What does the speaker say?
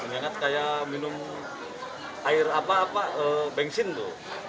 bau menyengat itu menyengat kayak minum air apa apa bensin itu